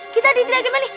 kita diteriakin waling